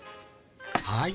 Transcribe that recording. はい。